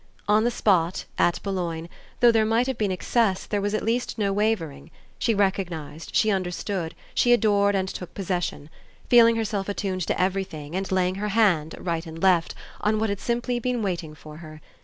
On the spot, at Boulogne, though there might have been excess there was at least no wavering; she recognised, she understood, she adored and took possession; feeling herself attuned to everything and laying her hand, right and left, on what had simply been waiting for her.